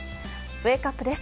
ウェークアップです。